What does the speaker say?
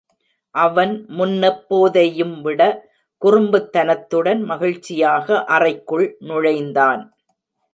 அவன் முன்னெப்போதையும்விட குறும்புத்தனத்துடன், மகிழ்ச்சியாக அறைக்குள் நுழைந்தான்.